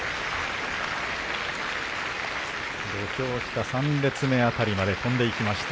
土俵下、３列目辺りまで飛んでいきました。